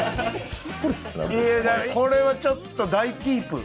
これはちょっと大キープ。